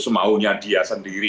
semaunya dia sendiri